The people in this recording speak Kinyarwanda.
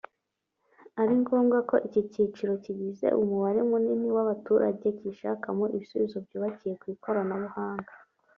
ari ngombwa ko iki cyiciro kigize umubare munini w’abaturage kishakamo ibisubizo byubakiye ku ikoranabuhanga